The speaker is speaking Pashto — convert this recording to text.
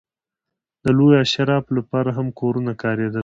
د لویو اشرافو لپاره هم کورونه کارېدل.